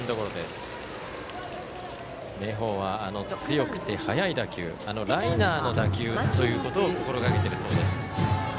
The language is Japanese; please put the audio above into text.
明豊は強くて速い打球ライナーの打球ということを心がけているそうです。